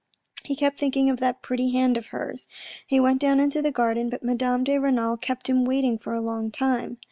He kept thinking of that pretty hand of hers. He went down into the garden, but Madame de Renal kept him waiting for a long time.